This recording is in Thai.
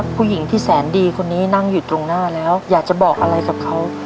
ผู้หญิงที่แสนดีคนนี้นั่งอยู่ตรงหน้าแล้วอยากจะบอกอะไรกับเขา